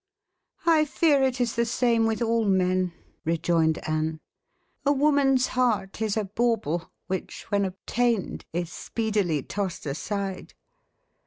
"I fear it is the same with all men," rejoined Anne. "A woman's heart is a bauble which, when obtained, is speedily tossed aside."